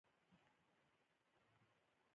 ایران له اذربایجان سره ګاونډی دی.